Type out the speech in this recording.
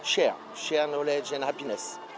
chia sẻ kinh nghiệm và hạnh phúc